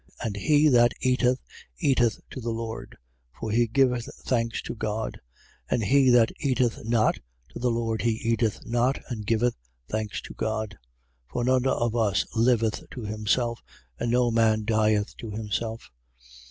And he that eateth eateth to the Lord: for he giveth thanks to God. And he that eateth not, to the Lord he eateth not and giveth thanks to God. 14:7. For none of us liveth to himself: and no man dieth to himself.